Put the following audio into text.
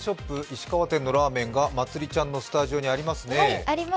石川店のラーメンがまつりちゃんのスタジオにありますね。